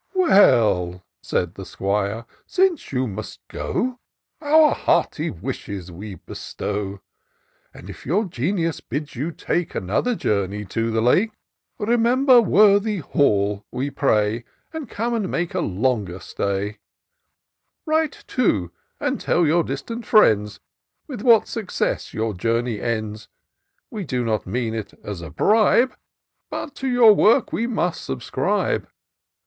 " Well," said the 'Squire, " since you must go, Our hearty wishes we bestow : And if your genius bids you take Another journey to the Lake, Remember fForthy Hallf we pray. And come and make a longer stay : Write too, and tell yoiu: distant friends With what success your journey ends. We do not mean it as a bribe, But to your work we must subscribe."